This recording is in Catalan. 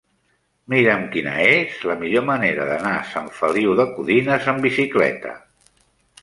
Mira'm quina és la millor manera d'anar a Sant Feliu de Codines amb bicicleta.